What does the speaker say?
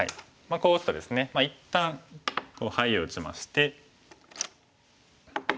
こう打つとですね一旦ハイを打ちまして。